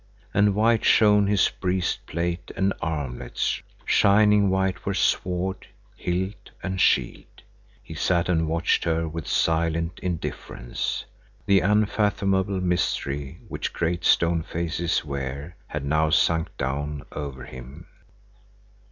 And white shone his breastplate and armlets, shining white were sword, hilt, and shield. He sat and watched her with silent indifference. The unfathomable mystery which great stone faces wear had now sunk down over him.